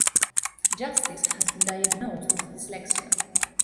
Justice has been diagnosed with dyslexia.